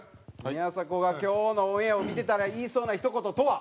宮迫が今日のオンエアを見てたら言いそうな一言とは？